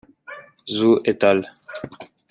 Zhou "et al.